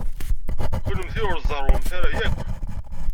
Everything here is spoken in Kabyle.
Kennemti ur tzerrwemt ara akk?